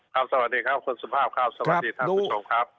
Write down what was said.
สวัสดีครับคุณสุภาพครับสวัสดีท่านผู้ชมครับ